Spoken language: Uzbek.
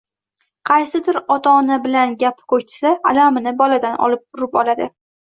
Qaysidir ota ona bilan gapi ko'chsa, alamini boladan olib urib oladi.